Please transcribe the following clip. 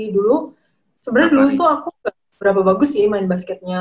dulu sebenernya dulu tuh aku gak berapa bagus sih main basketnya